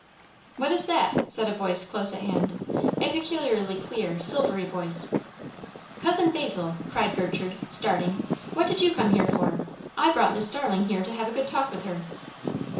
"What is that?" said a voice close at hand a peculiarly clear, silvery voice. "Cousin Basil!" cried Gertrude, starting. "What did you come here for? I brought Miss Starling here to have a good talk with her."